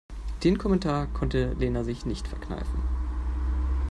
Den Kommentar konnte Lena sich nicht verkneifen.